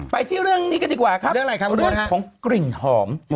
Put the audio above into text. ไปที่เรื่องนี้กันดีกว่าครับเรื่องของกลิ่นหอม